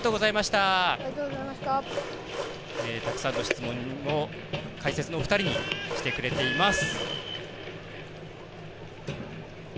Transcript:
たくさんの質問を解説のお二人にしてくれています。